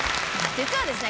実はですね